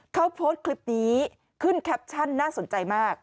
เขาโพสต์คลิปนี้ขึ้นแคปชั่นน่าสนใจมาก